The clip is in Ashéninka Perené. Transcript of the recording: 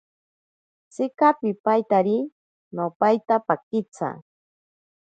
Tsika pipaitari. No paita pakitsa.